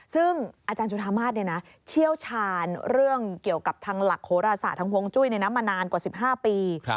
ซึ่งอาจารย์จุธามาศเชี่ยวชาญเรื่องเกี่ยวกับทางหลักโหรศาสตร์ทางฮวงจุ้ยมานานกว่า๑๕ปี